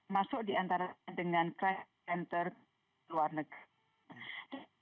masuk di antara dengan klien terkeluar negara